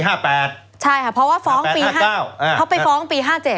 ใช่เพราะว่าฟ้องปี๕๙เพราะว่าฟ้องปี๕๗